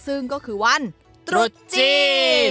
ซึ่งก็คือวันตรุษจีน